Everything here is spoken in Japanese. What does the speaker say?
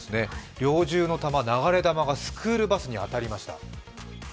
猟銃の流れ弾がスクールバスに当たりました。